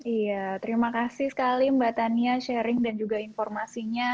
iya terima kasih sekali mbak tania sharing dan juga informasinya